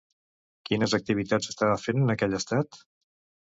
Quines activitats estava fent en aquell estat?